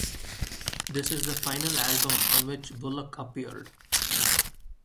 This is the final album on which Bullock appeared.